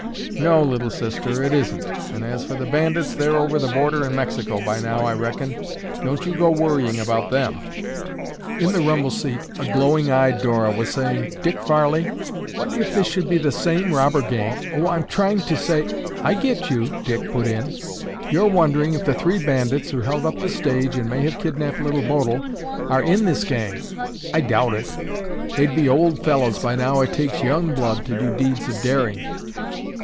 "No, Little Sister, it isn't, and, as for the bandits, they're over the border in Mexico by now, I reckon. Don't you go to worrying about them!" In the rumble seat, a glowing eyed Dora was saying: "Dick Farley, what if this should be the same robber gang—oh, I'm trying to say—" "I get you!" Dick put in. "You're wondering if the three bandits who held up the stage and may have kidnapped Little Bodil are in this gang. I doubt it. They'd be old fellows by now. It takes young blood to do deeds of daring."